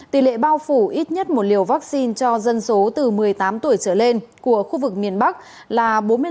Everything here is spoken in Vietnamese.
tỷ lệ bao phủ ít nhất một liều vaccine cho dân số từ một mươi tám tuổi trở lên của khu vực miền bắc là bốn mươi năm